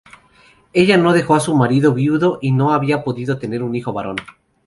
Ella dejó a su marido viudo, y no había podido tener un hijo varón.